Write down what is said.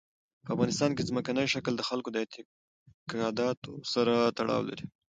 په افغانستان کې ځمکنی شکل د خلکو د اعتقاداتو سره تړاو لري.